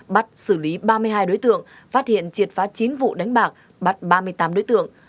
bắt xử lý ba mươi hai đối tượng phát hiện triệt phá chín vụ đánh bạc bắt ba mươi tám đối tượng